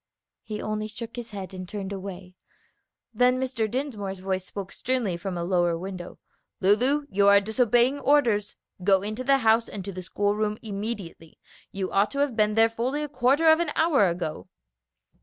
He only shook his head and turned away. Then Mr. Dinsmore's voice spoke sternly from a lower window, "Lulu, you are disobeying orders. Go into the house and to the school room immediately. You ought to have been there fully a quarter of an hour ago."